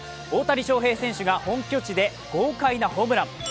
大谷翔平選手が本拠地で豪快なホームラン。